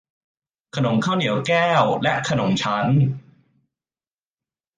ขนมข้าวเหนียวแก้ว และขนมชั้น